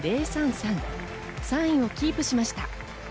３位をキープしました。